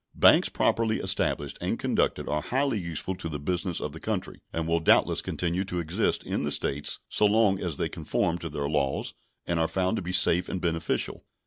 Banks properly established and conducted are highly useful to the business of the country, and will doubtless continue to exist in the States so long as they conform to their laws and are found to be safe and beneficial.